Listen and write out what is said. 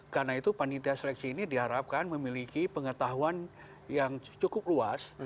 karena itu panitia seleksi ini diharapkan memiliki pengetahuan yang cukup luas